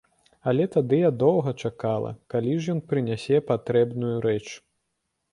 Але тады я доўга чакала, калі ж ён прынясе патрэбную рэч.